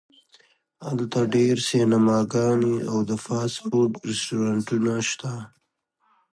هلته ډیر سینماګانې او د فاسټ فوډ رستورانتونه شته